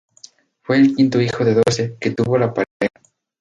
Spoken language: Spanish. Fue el quinto hijo de doce que tuvo la pareja.